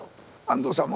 安藤さん